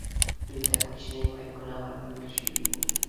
دوی ته کوچني مایکونه ورکړل شوي وو.